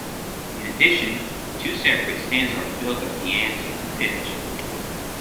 In addition, two separate stands are built at the ends of the pitch.